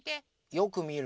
よくみるの。